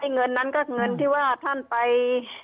เงินนั้นก็เงินที่ว่าท่านไป